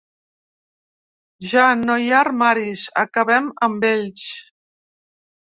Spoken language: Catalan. Ja no hi ha armaris, acabem amb ells.